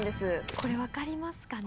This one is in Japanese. これ分かりますかね？